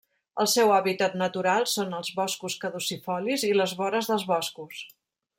El seu hàbitat natural són els boscos caducifolis i les vores dels boscos.